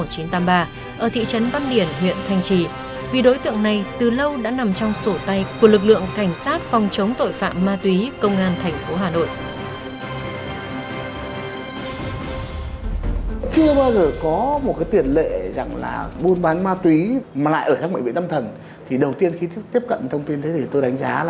ở thị trấn văn điển huyện thanh trì vì đối tượng này từ lâu đã nằm trong sổ tay của lực lượng cảnh sát phòng chống tội phạm ma túy công an tp hà nội